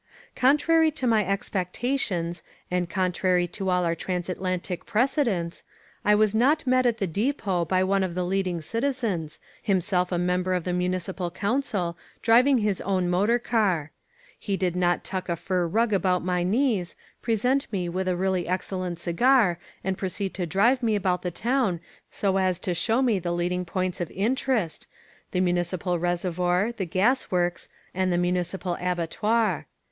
Contrary to my expectations and contrary to all our Transatlantic precedents, I was not met at the depot by one of the leading citizens, himself a member of the Municipal Council, driving his own motor car. He did not tuck a fur rug about my knees, present me with a really excellent cigar and proceed to drive me about the town so as to show me the leading points of interest, the municipal reservoir, the gas works and the municipal abattoir.